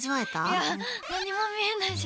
いや、何も見えないし。